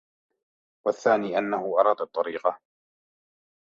وَالثَّانِي أَنَّهُ أَرَادَ الطَّرِيقَ